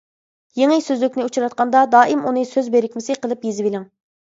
يېڭى سۆزلۈكنى ئۇچراتقاندا دائىم ئۇنى سۆز بىرىكمىسى قىلىپ يېزىۋېلىڭ.